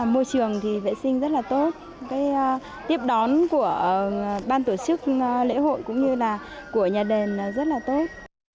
môi trường vệ sinh rất tốt tiếp đón của ban tổ chức lễ hội cũng như nhà đền rất tốt